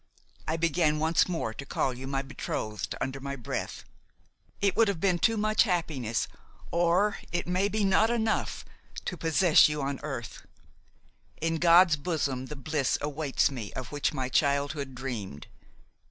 I began once more to call you my betrothed under my breath. It would have been too much happiness–or, it may be, not enough–to possess you on earth. In God's bosom the bliss awaits me of which my childhood dreamed.